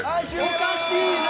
おかしいね。